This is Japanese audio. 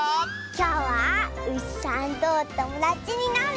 きょうはうしさんとおともだちになるよ！